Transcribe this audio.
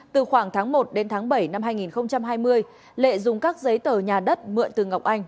từ khoảng tháng một đến tháng bảy năm hai nghìn hai mươi lệ dùng các giấy tờ nhà đất mượn từ ngọc anh